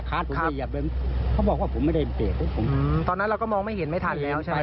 เหยียบเลยเขาบอกว่าผมไม่ได้เบรกปุ๊บผมตอนนั้นเราก็มองไม่เห็นไม่ทันแล้วใช่ไหม